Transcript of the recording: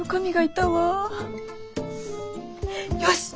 よし！